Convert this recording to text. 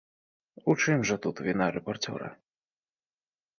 У чым жа тут віна рэпарцёра?